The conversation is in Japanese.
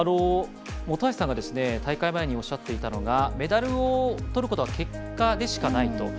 本橋さんが大会前におっしゃっていたのがメダルをとることは結果でしかないと。